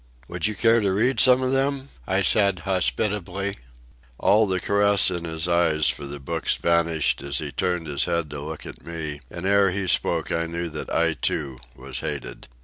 "Would you care to read some of them?" I said hospitably. All the caress in his eyes for the books vanished as he turned his head to look at me, and ere he spoke I knew that I, too, was hated.